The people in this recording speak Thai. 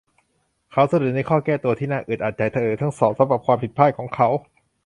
เขาสะดุดในข้อแก้ตัวที่น่าอึดอัดใจหรือทั้งสองสำหรับความผิดพลาดของเขา